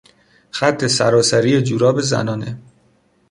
خط سراسری جوراب زنانه